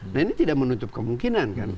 nah ini tidak menutup kemungkinan kan